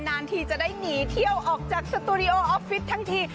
นานทีจะได้หนีเที่ยวออกจากสตูดิโอออฟฟิศทั้งที